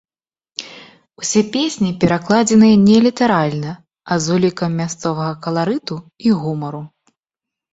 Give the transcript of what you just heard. Усе песні перакладзеныя не літаральна, а з улікам мясцовага каларыту і гумару.